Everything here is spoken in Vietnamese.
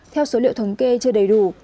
theo số liệu thống kê chưa đầy đủ